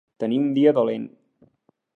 Tenir un dia dolent.